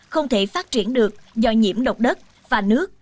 không thể phát triển được do nhiễm độc đất và nước